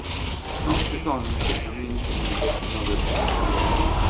Non ci sono insediamenti nel bacino del fiume.